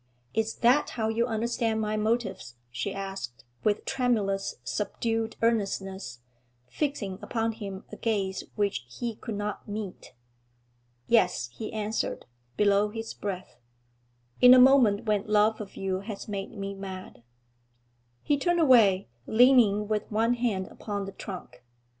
'Is that how you understand my motives?' she asked, with tremulous, subdued earnestness, fixing upon him a gaze which he could not meet. 'Yes,' he answered, below his breath, 'in a moment when love of you has made me mad.' He turned away, leaning with one hand upon the trunk.